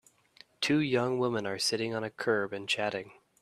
Two young women are sitting on a curb and chatting